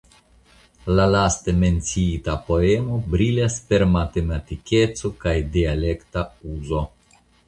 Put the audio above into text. La laste menciita poemo brilas per matematikeco kaj dialekta uzo.